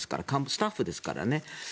スタッフですからね。